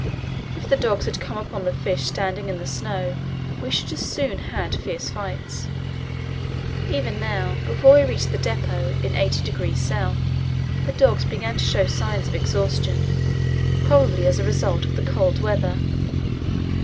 If the dogs had come upon the fish standing in the snow we should soon have had fierce fights. Even now, before we reached the depot in 80° S., the dogs began to show signs of exhaustion, probably as a result of the cold weather ( 16.